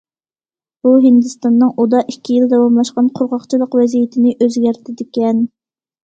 بۇ، ھىندىستاننىڭ ئۇدا ئىككى يىل داۋاملاشقان قۇرغاقچىلىق ۋەزىيىتىنى ئۆزگەرتىدىكەن.